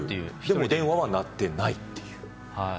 でも電話は鳴ってないという。